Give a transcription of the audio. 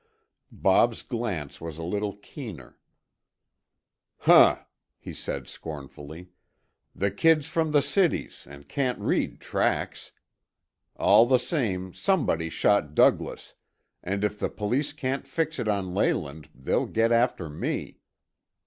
Bob's glance was a little keener. "Huh!" he said scornfully, "the kid's from the cities and can't read tracks. All the same, somebody shot Douglas, and if the police can't fix it on Leyland, they'll get after me."